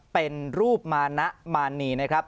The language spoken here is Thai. เป็นรูปมานะมานีนะครับ